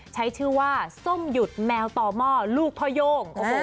ใช้ชื่อว่าส้มหยุดแมวต่อหม้อลูกพ่อโย่ง